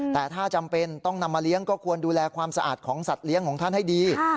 แต่ถ้าจำเป็นต้องนำมาเลี้ยงก็ควรดูแลความสะอาดของสัตว์เลี้ยงของท่านให้ดี